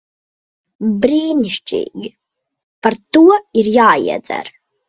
Brīnišķīgi. Par to ir jāiedzer.